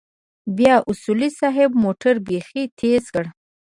بيا اصولي صيب موټر بيخي تېز کړ.